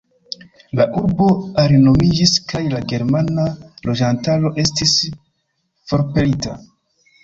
La urbo alinomiĝis kaj la germana loĝantaro estis forpelita.